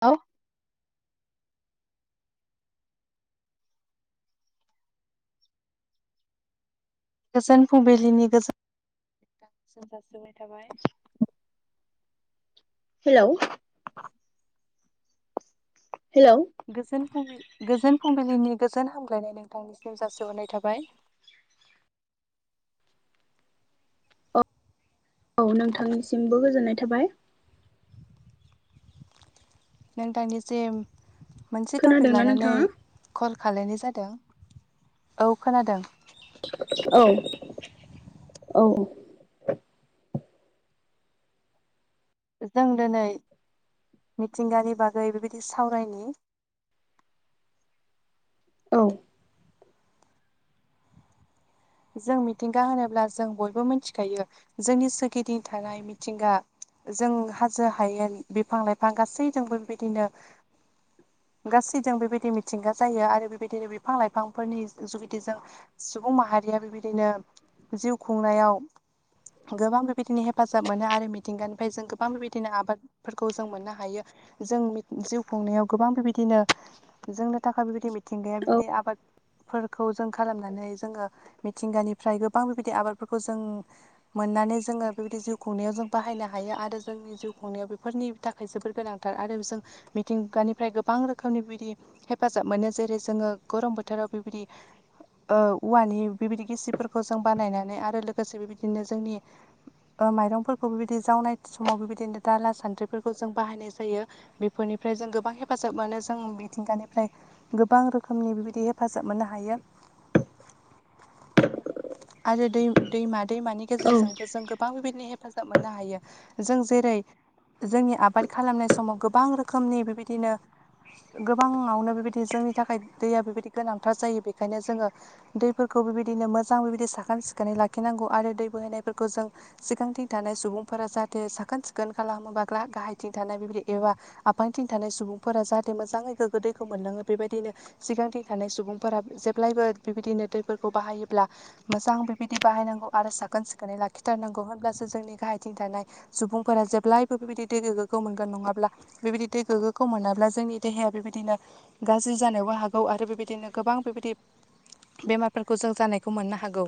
औ गोजोन फुंबिलिनि गोजोननाय जासिहरनाय थाबाय। हेलौ हेलौ गोजोन फुंबिलि-गोजोन फुंबिलिनि गोजोन हामलायनाय नोंथांनिसिम जासिहरनाय थाबाय। औ औ नोंथांनिसिमबो गोजोननाय थाबाय। नोंथांनिसिम मोनसे टपिक खोनादोंना लानानै नोंथाङा? कल खालायनाय जादों औ खोनादों औ औऔ जों दिनै मिथिंगानि बागै बेबायदि सावरायनि। औ जों मिथिंगा होनोब्ला जों बयबो मिथिखायो जोंनि सोरगिदिं थानाय मिथिंगा जों हाजो हायेन बिफां लाइफां गासैजोंबो बेबायदिनो गासैजों बेबायदि मिथिंगा जायो आरो बेबायदिनो बिफां लाइफांफोरनि जुगिदि जों सुबुं माहारिया बेबायदिनो जिउ खुंनायाव गोबां बेबायदिनो हेफाजाब मोनो आरो मिथिंगानिफ्राय जों गोबां बेबायदिनो आबाद फोरखौ जों मोननो हायो जों जिउ खुंनायाव गोबां बेबायदिनो जोंनो थाखाय बेबायदि मिथिंगाया बेबायदि आबादफोरखौ जों खालामनानै जोङो मिथिंगानिफ्राय गोबां बेबायदि आबादफोरखौ जों मोननानै जोङो बेबायदि जिउ खुंनायाव जों बाहायनो हायो आरो जोंनि जिउ खुंनायाव बेफोरनि थाखाय जोबोर गोनांथार आरो जों मिथिंगानिफ्राय गोबां रोखोमनि बिदि हेफाजाब मोनो जेरै जोङो गरम बोथोराव बेबायदि ओ औवानि बेबायदि गिसिफोरखौ जों बानायनानै आरो लोगोसे बेबायदिनो जोंनि ओ माइरंफोरखौ बेबायदि जावनाय समाव बेबायदिनो दाला सान्द्रिफोरखौ जों बाहायनाय जायो। बेफोरनिफ्राय जों गोबां हेफाजाब मोनो जों मिथिंगानिफ्राय गोबां रोखोमनि बेबायदि हेफाजाब मोननो हायो। आरो दै दैमा दैमानि औ नंगौ गेजेरजोंबो जों गोबां बेबायदिनो हेफ हेफाजाब मोननो हायो जों जेरै जोंनि आबाद खालामनाय समाव गोबां रोखोमनि बेबायदिनो गोबाङावनो बेबायदि जोंनि थाखाय दैया बेबायदि गोनांथार जायो बेखायनो जोङो दै फोरखौ बेबायदिनो मोजां बेबायदि साखोन सिखोनै लाखिनांगौ आरो दै बोहायनायफोरखौ जों सिगांथिं थानाय सुबुंफोरा जाहाथे साखोन सिखोन खालामो बा गाहायथिं थानाय बेबायदि एबा आफांथिं थानाय सुबुंफोरा जाहाथे मोजाङै गोग्गो दैखौ मोनलाङो बेबायदिनो सिगांथि थानाय सुबुंफोरा जेब्लायबो बेबायदिनो दैफोरखौ बाहायोब्ला मोजां बेबायदि बाहायनांगौ आरो साखोन सिखोनै लाखिथारनांगौ होनोमब्लासो जोंनि गाहायथिं थानाय सुबुंफोरा जेब्लायबो बेबायदि दै गोगोखौ मोनगोन नङाब्ला बेबायदि दै गोग्गोखौ मोनाब्ला जोंनि देहाया बेबायदिनो गाज्रि जानोबो हागौ आरो बेबायदिनो गोबां बेबायदि बेमारफोरखौ जों जानायखौ मोननो हागौ।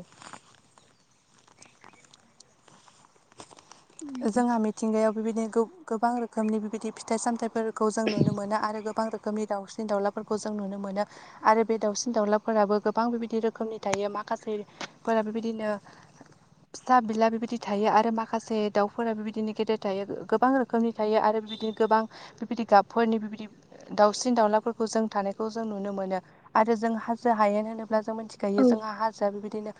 जोंहा मिथिंगायाव बेबायदिनो गो गोबां रोखोमनि बेबायदि फिथाइ सामथाइफोरखौ जों नुनो मोनो आरो गोबां रोखोमनि दाउस्रिनि दाउलाफोरखौ जों नुनो मोनो। आरो बे दाउसिन दाउलाफोराबो गोबां बेबायदि रोखोमनि थायो माखासे फोर बेबायदिनो फिसा बिला बेबायदि थायो आरो माखासे दाउफोराबो बिदिनो गेदेर थायो गोबां रोखोमनि थायो आरो बिदिनो गोबां बेबायदि गाबफोरनि बेबायदि दाउसिन दाउलाफोरखौ जों थानायखौ जों नुनो मोनो आरो जों हाजो हायेन होनोब्ला जों मिथि गायो जोंहा हाजोआ बेबायदिनो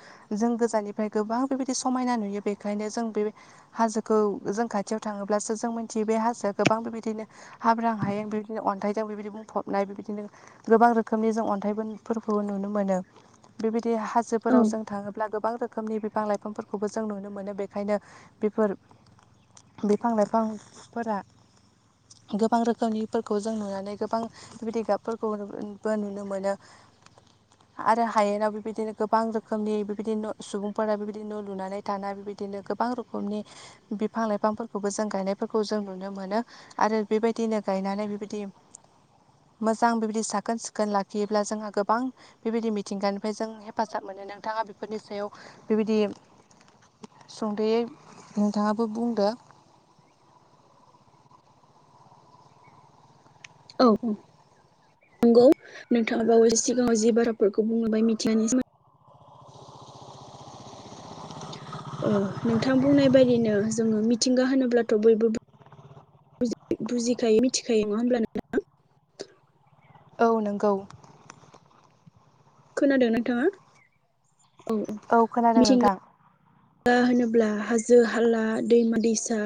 जों गोजाननिफ्राय गोबां बेबायदि समायना नुयो बेखायनो जों बे हाजोखौ जों खाथियाव थाङोब्लासो जों मिथियो बे हाजोआ गोबां बेबायदिनो हाब्रां हायेन बिबायदिनो अन्थाइजों बिबायदि बुंफबनाय बेबायदिनो गोबां रोखोमनि जों अन्थाइफोरखौ नुनो मोनो बेबायदि हाजो फोराव जों थाङोब्ला गोबां रोखोमनि बिफां लाइफांफोरखौबो जों नुनो मोनो बेखायनो बेफोर बिफां लाइफांफोरा गोबां रोखोमनिफोरखौ जों नुनानै गोबां बेबायदि गाबफोरखौबो नुनो मोनो। आरो हायेनाव बेबायदिनो गोबां रोखोमनि बेबायदि न' सुबुंफोरा बेबायदि न' लुनानै थानाय बिदिनो गोबां रोखोमनि बिफां लाइफांफोरखौबो जों गायनायफोरखौ जों नुनो मोनो। आरो बेबायदिनो गायनानै बेबायदि मोजां बिबायदि साखोन सिखोन लाखियोब्ला जोंहा गोबां बेबायदि मिथिंगानिफ्राय जों हेफाजाब मोनो नोंथाङा बेफोरनि सायाव बेबायदि सुंद'यै नोंथाङाबो बुंदो। औ औ नंगौ नोंथाङा बावै सिगाङाव जि बाराफोरखौ बुंलांबाय मिथिगानि सोमो ओ नोंथां बुंनाय बायदिनो जोङो मिथिंगा होनोब्लाथ' बयबो बुजिखायो मिथिखायो नङा होमब्ला नोंथां? औ नोंगौ। खोनादों नोंथाङा औ औ खोनादों मिथिंगा नोंथां ओ होनोब्ला हाजो हाला दैमा दैसा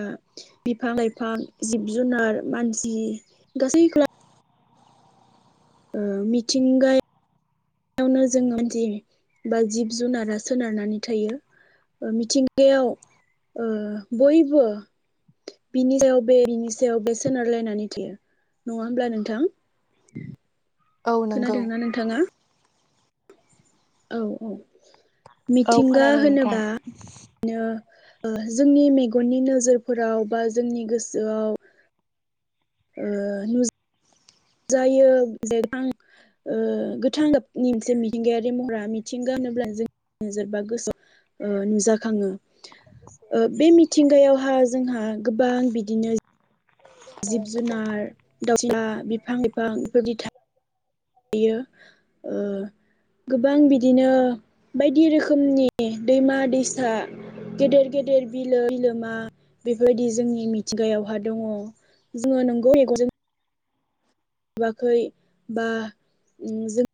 बिफां लाइफां जिब जुनार मानसि गासैखौ ओ मिथिंगाय यावनो जोङो जि बा जिब जुनारा सोनारनानै थायो। ओ मिथिंगायाव ओ बयबो बिनि सायाव बे बिनि सायाव बे सोनारलायनानै थायो नङा होमब्ला नोंथां‌? [inaudible] नंगौ खोनादोंना नोंथाङा? औ औ औ मिथिंगा खोनादों नोंथां होनोबा नो ओ जोंनि मेगननि नोजोरफोराव बा जोंनि गोसोआव ओ नु जायो [unintelligible] ओ गोथां गाबनि मोनसे मिथिंगायारि महरा मिथिंगा होनोब्ला जोंजोरबा गोसोआव ओ नुजाखाङो ओ बे मिथिंगायावहा जोंहा गोबां बिदिनो जिब जुनार दाउसा बिफां लाइफां बेफोरदि था बियो ओ गोबां बिदिनो बायदि रोखोमनि दैमा दैसा गेदेर गेदेर बिलो बिलोमा बिफोरबायदि जोंनि मिथिंगायावहा दङ। जोङो नोंगौ [unintelligible] नुवाखै बा उम जों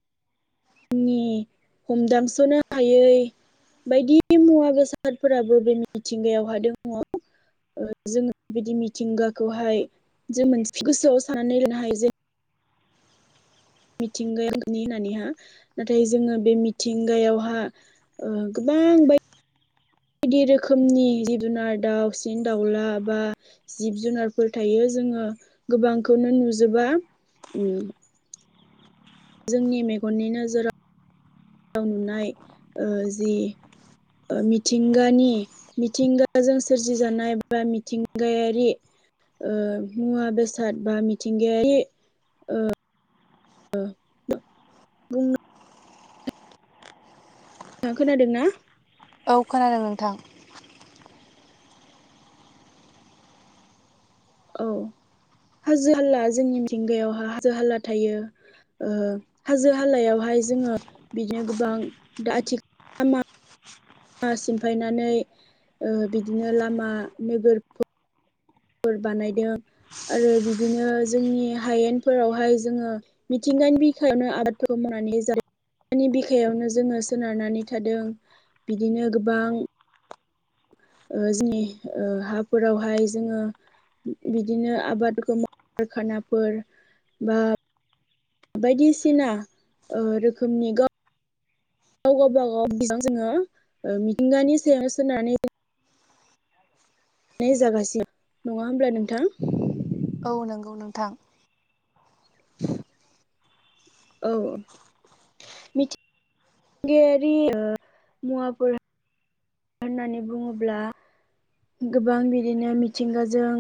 हमदांस'नो हायै बायदि मुवा बेसादफोराबो बे मिथिंगायावहाय दङ ओ जोङो बिदि मिथिंगाखौहाय जों मोनसे गोसोआव साननानै लानो हायो [unintelligible] मिथिंगायानि होनना नैहा नाथाय जोङो बे मिथिंगायावहा ओ गोबां बाय बायदि रोखोमनि जिब जुनार दाउसिन दाउला बा जिब जुनारफोर थायो जोङो गोबांखौनो नुजोबा‌ ओम जोंनि मेगननि नोजोराव नुनाय ओ जि ओ मिथिंगानि मिथिंगाजों सोरजिजानाय बा मिथिंगायारि ओ मुवा बेसाद बा मिथिंगायारि ओ औ [inaudible] बुंनो नोंथां खोनादों ना? औ खोनादों नोंथां। औ [inaudible] हाजो हाला जोंनि मिथिंगायावहा हाजो हाला थायो ओ हाजो हालायावहाय जोङो बिदिनो गोबां दा आथिखाल मा सिमफायनानै ओ बिदिनो लामा नोगोर फोर बानायदों आरो बिदिनो जोंनि हायेनफोरावहाय जोङो मिथिंगानि बिखायावनो आबादखौ मावनानै [unintelligible] दानि बिखायावनो जोङो सोनारनानै थादों बिदिनो गोबां ओ जोंनि ओ हाफोरावहाय जोङो बिदिनो आबादखौ माव कारखानाफोर बा बायदिसिना ओ रोखोमनि गा गाव गावबागाव जोङो ओ मिथिंगानि सायाव सोनानै नाय जागासिनो नङा होमब्ला नोंथां? औ नोंगौ नोंथां। [inaudible] औ मिथिंगायारि ओ मुवाफोरा होननानै बुङोब्ला गोबां बिदिनो मिथिंगाजों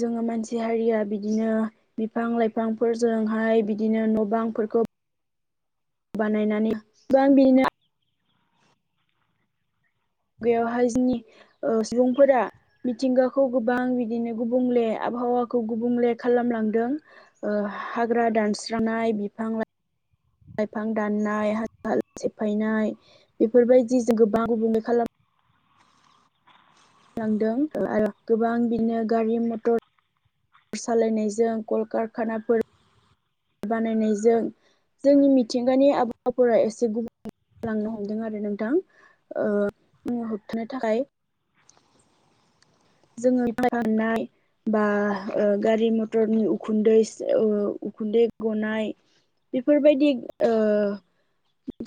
जोङो मानसि हारिया बिदिनो बिफां लाइफांफोरजोंहाय बिदिनो न' बांफोरखौ बानायनानै गोबां बिनो बेयावहाय जोंनि सुबुंफोरा मिथिंगाखौ गोबां बिदिनो गुबुंले आबहावाखौ गुबुंले खालामलांदों ओ हाग्रा दानस्रांनाय बिफां लाइ लाइफां दाननाय [inaudible] हालु सेफायनाय बेफोरबायदि जों गोबां गुबुंले खालामो। बांदों आरो गोबां बिदिनो गारि मटर सालायनायजों कलकारखानाफोर बानायनायजों जोंनि मिथिंगानि आबहावाफोरा एसे गुबुन लांनो हमदों आरो नोंथां ओ [inaudible] होबथानो थाखाय जोङो [inaudible] बा ओ गारि मथरनि उखुन्दै ओ उखुन्दै गनाय। बेफोरबायदि ओ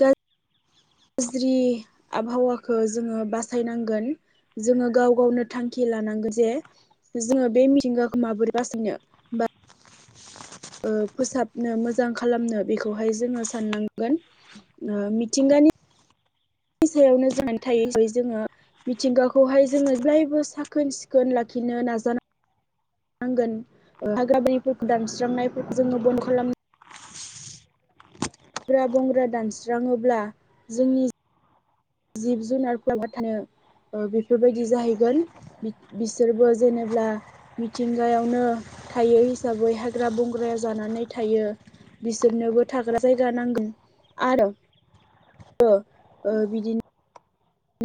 गाज गाज्रि आबहावाखौ जोङो बासायनांगोन जोङो गाव गावनो थांखि लानांगौ जे जोङो बे मिथिंगाखौ माबोरै बासिनो फोसाबनो मोजां खालामनो बेखौहाय जोङो साननांगोन मिथिंगानि नि सायावनो जोंनानै थायो जै जोङो मिथिंगाखौहाय जोङो जेब्लायबो साखोन सिखोन लाखिनो नाजा नांगोन अफ गाबानिफोरखौ दानस्रांनायफोरखौ जोङो बन्द खालाम हाग्रा बंग्रा दानस्राङोब्ला जोंनि जिब जुनारफ्राबो थानो बेफोरबायदि जाहैगोन बिसोरबो जेनेब्ला मिथिंगायावनो थायो हिसाबै हाग्रा बंग्राया जानानै थायो। बिसोरनोबो थाग्रा जायगा नांगोन आरो बो ओ बिदिनो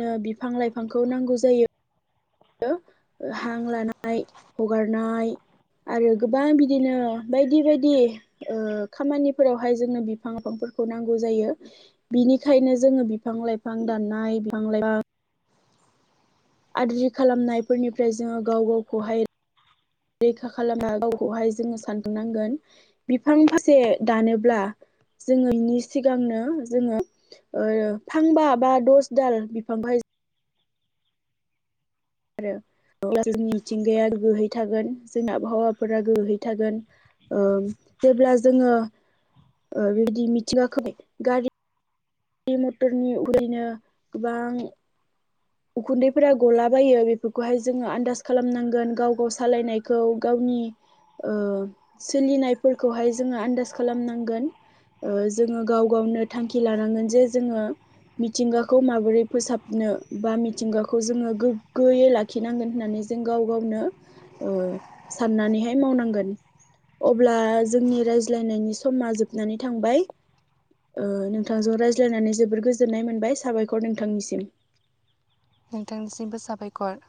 नो बिफां लाइफांखौ नांगौ जायो। हां लानाय हगारनाय आरो गोबां बिदिनो बायदि बायदि ओ खामानिफोरावहाय जोंनो बिफां लाइफांफोरखौ नांगौ जायो। बिनिखायनो जोङो बिफां लाइफां दाननाय बिफां लाइफां आद्रि खालामनायफोरनिफ्राय जोङो गाव गावखौहाय रैखा खालामा गावखौहाय जोङो सानफुंनांगोन। बिफां फांसे दानोब्ला जोङो बिनि सिगांनो जोङो ओ फांबा बा दस दाल बिफां फाय आरो जोंनि मिथिंगाया गोहै थागोन जोंनि आबहावाफोरा गोहै थागोन। ओ जेब्ला जोङो ओ बेबायदि मिथिङाखै गारि गारि मथरनि [unintelligible] गोबां उखुन्दैफोरा गलाबायो बेफोरखौहाय जोङो आन्दास खालामनांगोन गाव गाव सालायनायखौ गावनि ओ सोलिनायफोरखौहाय जोङो आन्दाज खालामनांगोन। ओ जोङो गाव गावनो थांखि लानांगोन जे जोङो मिथिंगाखौ माबोरै फोसाबनो बा मिथिंगाखौ जोङो गोग्गोयै लाखिनांगोन होननानै जों गाव गावनो ओ साननानैहाय मावनांगोन। अब्ला जोंनि रायज्लायनायनि समा जोबनानै थांबाय। ओ नोंथांजों रायज्लायनानै जोबोर गोजोननाय मोनबाय साबायखर नोंथांनिसिम। नोंथांनिसिमबो साबायखर।